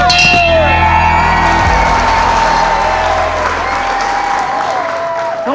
เร็วเร็วเร็ว